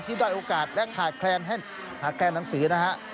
ที่ได้โอกาสและขาดแคลนให้ขาดแคลนหนังสือนะฮะ